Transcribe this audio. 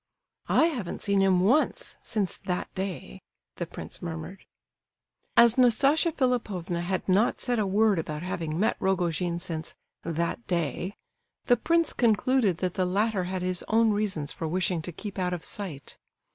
"I haven't seen him once—since that day!" the prince murmured. As Nastasia Philipovna had not said a word about having met Rogojin since "that day," the prince concluded that the latter had his own reasons for wishing to keep out of sight.